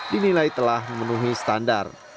dinilai telah memenuhi standar